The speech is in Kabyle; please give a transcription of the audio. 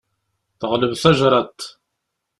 Teɣleb tajṛadt.